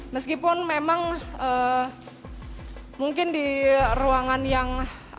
meskipun memang mungkin di ruangan yang